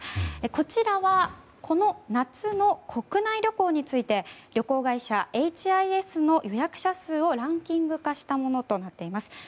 こちらはこの夏の国内旅行について旅行会社ＨＩＳの予約者数をランキング化したものとなっています。